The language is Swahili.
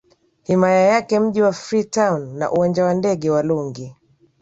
himaya yake mji wa Freetown na uwanja wa ndege wa Lungi